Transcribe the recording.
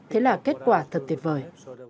thế là kết quả thật tuyệt vời